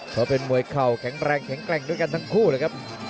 เขาเป็นมวยเข่าแข็งแรงแข็งแกร่งด้วยกันทั้งคู่เลยครับ